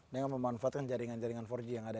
dengan memanfaatkan jaringan jaringan empat g yang ada